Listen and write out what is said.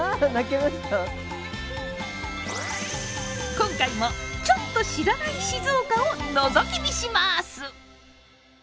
今回もちょっと知らない静岡をのぞき見します！